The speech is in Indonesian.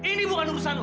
ini bukan urusan lo